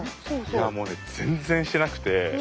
いやもう全然してなくて。